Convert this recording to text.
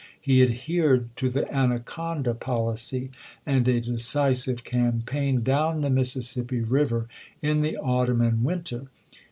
He adhered to the "Anaconda" policy, and a decisive campaign down the Missis sippi River in the autumn and winter.